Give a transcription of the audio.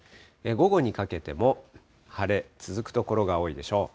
午後にかけても晴れ、続く所が多いでしょう。